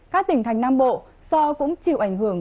các tỉnh thành nam bộ do cũng chịu ảnh hưởng